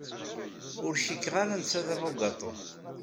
Ur cikkeɣ ara netta d abugaṭu.